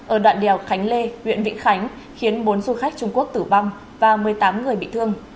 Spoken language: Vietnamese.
ở đoạn đèo khánh lê huyện vĩnh khánh khiến bốn du khách trung quốc tử vong và một mươi tám người bị thương